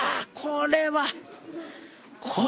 これは。